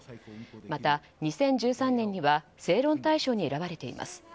また、２０１３年には正論大賞に選ばれています。